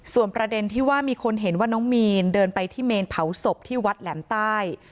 ส่วนประเด็นที่ว่ามีคนเห็นว่าน้องมีนเดินไปที่เมนเผาศพที่วัดแหลมใต้